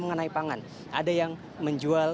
mengenai pangan ada yang menjual